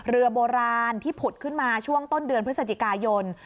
เรือโบราณที่ผุดขึ้นมาช่วงต้นเดือนพฤศจิกายน